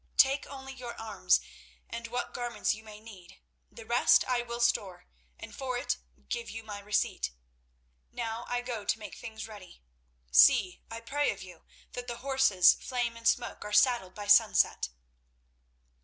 Take only your arms and what garments you may need; the rest I will store, and for it give you my receipt. Now I go to make things ready. See, I pray of you, that the horses Flame and Smoke are saddled by sunset."